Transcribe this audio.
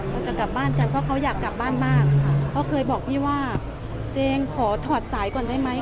เราจะกลับบ้านกันเพราะเขาอยากกลับบ้านมากเขาเคยบอกพี่ว่าเจมส์ขอถอดสายก่อนได้ไหม